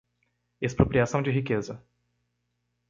Expropriação de riqueza